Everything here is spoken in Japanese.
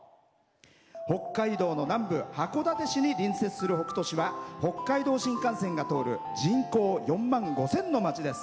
北海道の南部、函館市に隣接する北斗市は、北海道新幹線が通る人口４万５０００の町です。